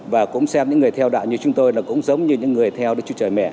và cũng xem những người theo đạo như chúng tôi là cũng giống như những người theo đến chú trời mẹ